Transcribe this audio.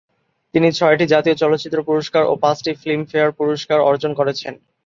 তিনি ছয়টি জাতীয় চলচ্চিত্র পুরস্কার ও পাঁচটি ফিল্মফেয়ার পুরস্কার অর্জন করেছেন।